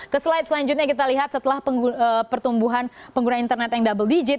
ke slide selanjutnya kita lihat setelah pertumbuhan pengguna internet yang double digit